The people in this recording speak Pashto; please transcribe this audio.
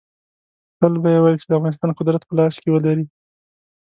تل به یې ویل چې د افغانستان قدرت په لاس کې ولري.